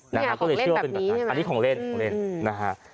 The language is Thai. อันนี้ของเล่นแบบนี้ใช่ไหมอันนี้ของเล่นของเล่นนะฮะ